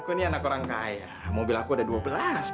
hai sebenarnya bukan tukang ojek